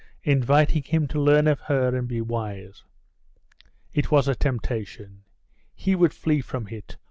inviting him to learn of her and be wise! It was a temptation! He would flee from it!